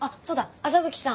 麻吹さん